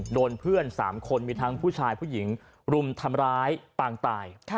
โดนเพื่อน๓คนมีทั้งผู้ชายผู้หญิงรุมทำร้ายปางตาย